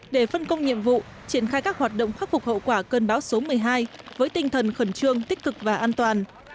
để phân công nhiệm vụ triển khai các hoạt động khắc phục hậu quả cơn bão số một mươi hai với tinh thần khẩn trương tích cực và an toàn